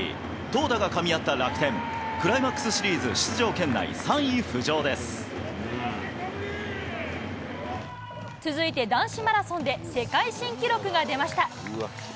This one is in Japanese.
投打がかみ合った楽天、クライマックスシリーズ出場圏内、続いて男子マラソンで、世界新記録が出ました。